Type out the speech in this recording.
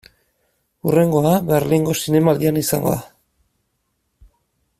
Hurrengoa, Berlingo Zinemaldian izango da.